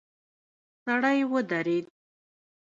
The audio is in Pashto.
سړی ودرید.